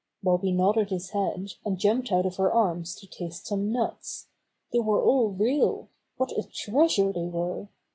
Bobby nodded his head, and jumped out of her arms to taste some nuts. They were all real! What a treasure they were!